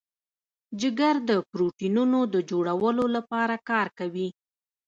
جگر د پروټینونو د جوړولو لپاره کار کوي.